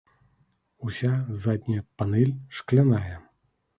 Уся задняя панэль шкляная.